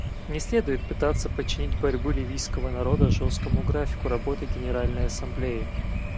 Не следует пытаться подчинить борьбу ливийского народа жесткому графику работы Генеральной Ассамблеи.